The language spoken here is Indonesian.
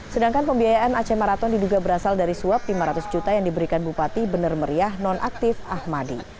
sedangkan pembiayaan aceh maraton diduga berasal dari suap lima ratus juta yang diberikan bupati benar meriah non aktif ahmadi